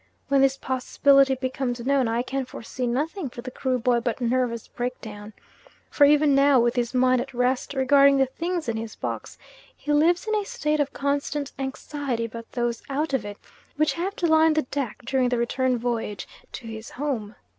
When this possibility becomes known I can foresee nothing for the Kruboy but nervous breakdown; for even now, with his mind at rest regarding the things in his box, he lives in a state of constant anxiety about those out of it, which have to lie on the deck during the return voyage to his home.